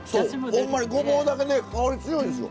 ほんまにごぼうだけで香り強いですよ。